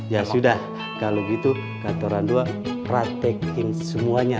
ya sudah kalau gitu kantoran dua praktekin semuanya